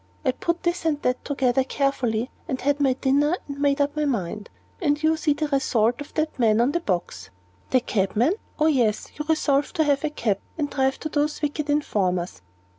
I put this and that together carefully, and had my dinner, and made up my mind. And you see the result in that man on the box." "The cabman? Oh yes, you resolved to have a cab, and drive to those wicked informers."